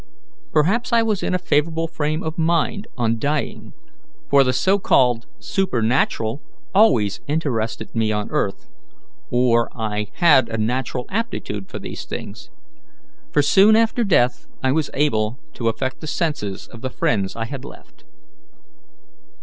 Perhaps I was in a favourable frame of mind on dying, for the so called supernatural always interested me on earth, or I had a natural aptitude for these things; for soon after death I was able to affect the senses of the friends I had left."